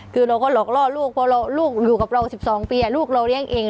คือเราก็หลอกล่อลูกเพราะลูกอยู่กับเรา๑๒ปีลูกเราเลี้ยงเอง